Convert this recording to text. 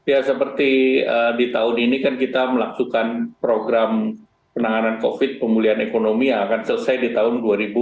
ya seperti di tahun ini kan kita melakukan program penanganan covid pemulihan ekonomi yang akan selesai di tahun dua ribu dua puluh